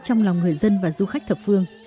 trong lòng người dân và du khách thập phương